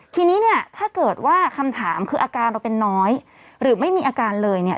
ทีนี้เนี่ยถ้าเกิดว่าคำถามคืออาการเราเป็นน้อยหรือไม่มีอาการเลยเนี่ย